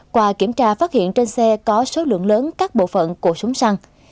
qua kiểm tra phát hiện trên xe có số lượng lớn các bộ phận của súng săn